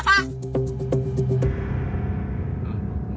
bapak mau nanya siapa